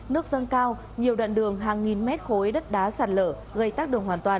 nước dâng cao nhiều đoạn đường hàng nghìn mét khối đất đá sạt lở gây tác đường hoàn toàn